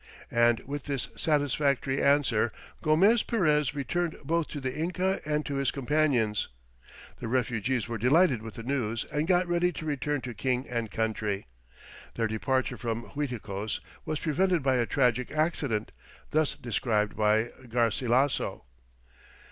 And with this satisfactory answer Gomez Perez returned both to the Inca and to his companions." The refugees were delighted with the news and got ready to return to king and country. Their departure from Uiticos was prevented by a tragic accident, thus described by Garcilasso.